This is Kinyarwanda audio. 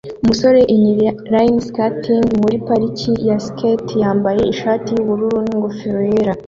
umusore inline skating muri parike ya skate yambaye ishati yubururu n'ingofero yera